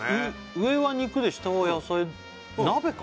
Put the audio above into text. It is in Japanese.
上は肉で下は野菜鍋か？